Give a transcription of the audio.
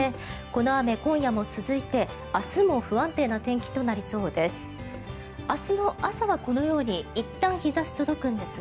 この雨、今夜も続いて、明日も不安定な天気となりそうです。